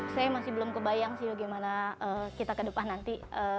saya masih belum kebayang sih bagaimana kita ke depan nanti